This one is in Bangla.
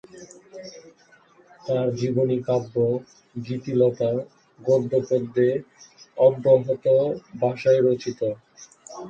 তাঁর জীবনীকাব্য কীর্তিলতা গদ্যেপদ্যে অবহট্ঠ ভাষায় রচিত।